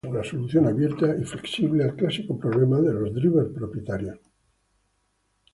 Es una solución abierta y flexible al clásico problema de los drivers propietarios.